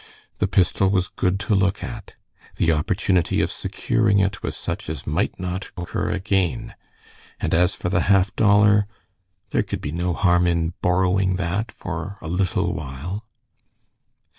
The pistol was good to look at, the opportunity of securing it was such as might not occur again, and as for the half dollar, there could be no harm in borrowing that for a little while.